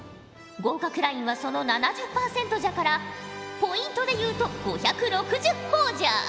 合格ラインはその７０％じゃからポイントで言うと５６０ほぉじゃ。